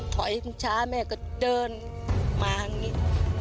ท้อยช้าแม่ก็เดินมาแบบนี้